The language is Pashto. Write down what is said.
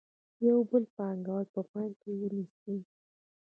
یو بل پانګوال په پام کې ونیسئ